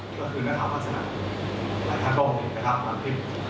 ก็คือณธรรมพัฒนาหลายท่านตรงณธรรมพิษเขาเผชิญกับ